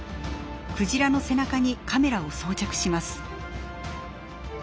クジラの背中にカメラを装着します。